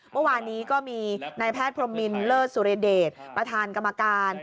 เมื่อวานนี้ก็มีนายแพทย์พรมมินเลิศสุริเดชประธานกรรมการ